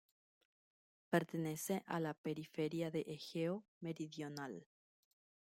Pertenece a la periferia de Egeo Meridional.